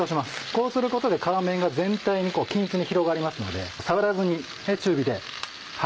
こうすることで皮目が全体に均一に広がりますので触らずに。